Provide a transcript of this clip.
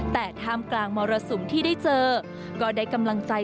แต่ท่ามกลางมรสุมที่ได้เจอก็ได้กำลังใจ